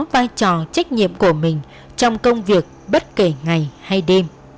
vai trò trách nhiệm của mình trong công việc bất kể ngày hay đêm